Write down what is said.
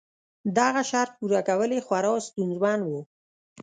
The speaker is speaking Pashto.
دغه شرط پوره کول یې خورا ستونزمن و.